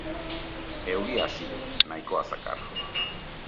Euria hasi du, nahikoa zakar.